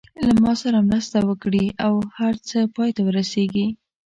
له ما سره مرسته وکړي او هر څه پای ته ورسېږي.